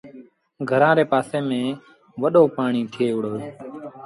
گھرآݩ ري پآسي ميݩ وڏو پآڻيٚ ٿئي وُهڙو۔